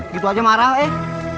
gitu aja marah eh